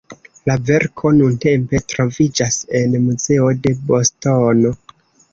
La verko nuntempe troviĝas en muzeo de Bostono.